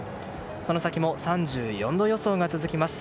その先も３４度予想が続きます。